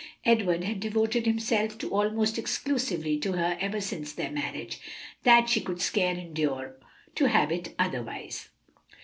Edward had devoted himself so almost exclusively to her ever since their marriage, that she could scarce endure to have it otherwise.